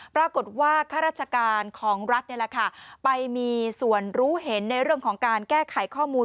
ปรากฏว่าข้าราชการของรัฐนี่แหละค่ะไปมีส่วนรู้เห็นในเรื่องของการแก้ไขข้อมูล